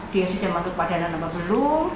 dia sudah masuk padanan apa belum